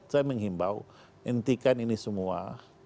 saya menghimbau hentikan ini semua